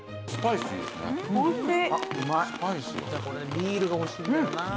これビールが欲しいんだよな。